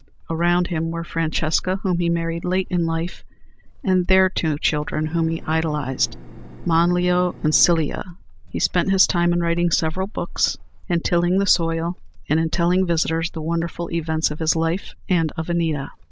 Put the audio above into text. Around him were Francesca, whom he married late in life, and their two children whom he idolized, Manlio and Clelia. He spent his time in writing several books, in tilling the soil, and in telling visitors the wonderful events of his life and of Anita.